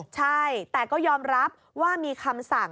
ใช่แต่ก็ยอมรับว่ามีคำสั่ง